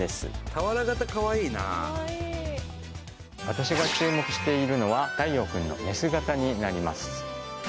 私が注目しているのはタイヨウくんの寝姿になります